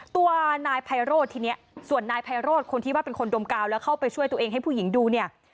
ตัวนายไพโรธทีนี้ส่วนนายไพโรธคนที่ว่าเป็นคนดมกาวแล้วเข้าไปช่วยตัวเองให้ผู้หญิงดูเนี่ย